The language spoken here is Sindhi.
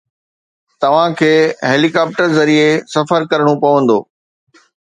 توهان کي هيلي ڪاپٽر ذريعي سفر ڪرڻو پوندو.